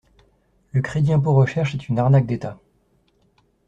Le crédit impôt recherche est une arnaque d'Etat.